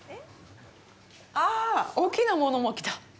あぁ、大きなものも来た！